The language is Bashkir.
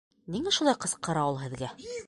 Ниңә шулай ҡысҡыра ул һеҙгә?